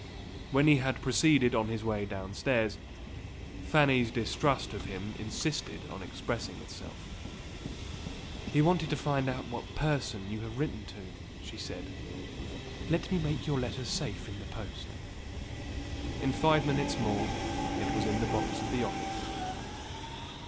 When he had proceeded on his way downstairs, Fanny's distrust of him insisted on expressing itself. "He wanted to find out what person you have written to," she said. "Let me make your letter safe in the post." In five minutes more it was in the box at the office.